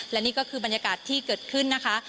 และนี่ก็คือบรรยากาศที่เกิดขึ้นนะคะ